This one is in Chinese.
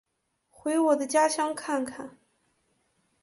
回我的家乡看看